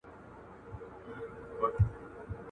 دا طلاوي تر کلونو نه ختمیږي,